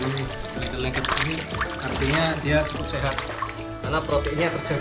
kelihatan langitnya artinya dia cukup sehat karena proteinnya terjaga